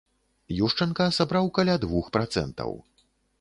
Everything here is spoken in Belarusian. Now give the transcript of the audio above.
Юшчанка сабраў каля двух працэнтаў.